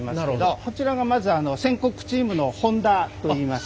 こちらがまず船殻チームの本田といいます。